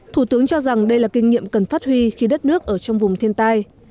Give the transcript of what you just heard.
thủ tướng cho rằng đây là kinh nghiệm cần phát huy khi đất nước ở trong vùng thiên tai